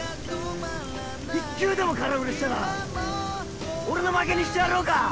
１球でも空振りしたら俺の負けにしてやろうか？